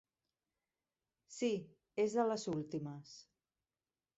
Sí, és de les últimes.